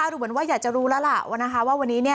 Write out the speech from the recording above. หรือเหมือนว่าอยากจะรู้แล้วล่ะว่าวันนี้